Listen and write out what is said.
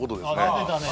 「出てたね」